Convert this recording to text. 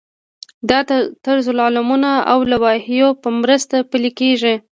دا د طرزالعملونو او لوایحو په مرسته پلی کیږي.